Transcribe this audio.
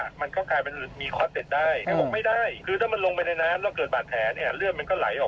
คือถ้ามันลงไปในน้ำแล้วเกิดบาดแผลเนี่ย